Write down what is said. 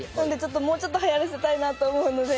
もうちょっとはやらせたいなと思うので。